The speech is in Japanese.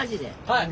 はい！